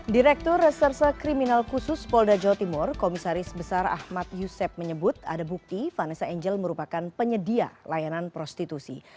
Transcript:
direktur reserse kriminal khusus polda jawa timur komisaris besar ahmad yusef menyebut ada bukti vanessa angel merupakan penyedia layanan prostitusi